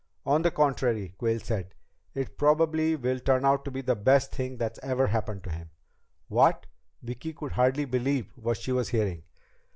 "On the contrary," Quayle said, "it probably will turn out to be the best thing that ever happened to him." "What?" Vicki could hardly believe what she was hearing.